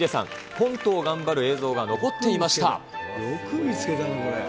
コントを頑張る映像が残っていました。